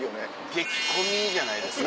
激混みじゃないですかね。